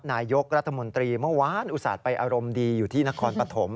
นายกรัฐมนตรีเมื่อวานอุตส่าห์ไปอารมณ์ดีอยู่ที่นครปฐม